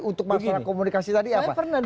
untuk masalah komunikasi tadi apa